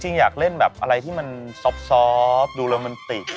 อยากเล่นแบบอะไรที่มันซอบดูโรแมนติก